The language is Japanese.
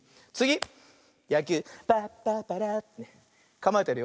かまえてるよ。